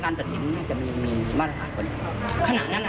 กำกัดต้องมีนะครับดุมแบบนี้แค่นั้น